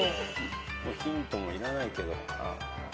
ヒントもいらないけど。